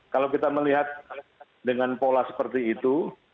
kalau kita melihat dengan pola seperti itu